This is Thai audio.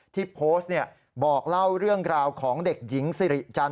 ที่โพสต์บอกเล่าเรื่องราวของเด็กหญิงสิริจันท